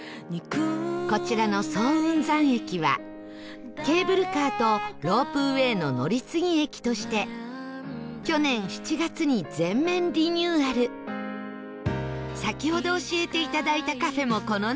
こちらの早雲山駅はケーブルカーとロープウェイの乗り継ぎ駅として去年７月に全面リニューアル先ほど教えていただいたカフェもこの中に